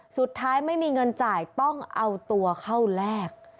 สุดท้ายไม่มีเงินจ่ายต้องเอาตัวเข้าแลก